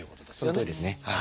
そのとおりですね。